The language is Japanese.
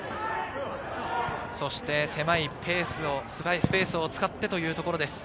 そして狭いスペースを使ってというところです。